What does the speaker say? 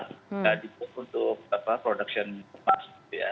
tidak dibuat untuk produksi emas